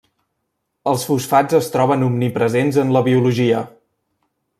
Els fosfats es troben omnipresents en la biologia.